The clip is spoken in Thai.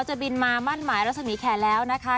เธอจะบินมามั่นหมายแล้วนะคะ